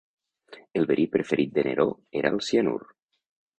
El verí preferit de Neró era el cianur.